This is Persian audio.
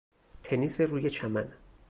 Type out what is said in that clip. تنیس روی چمن